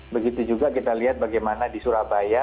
begitu juga kita lihat bagaimana di surabaya